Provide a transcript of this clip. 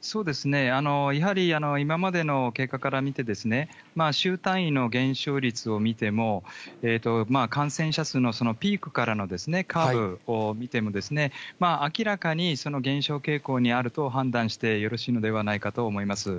そうですね、やはり今までの経過から見て、週単位の減少率を見ても、感染者数のピークからのカーブを見ても、明らかにその減少傾向にあると判断してよろしいのではないかと思います。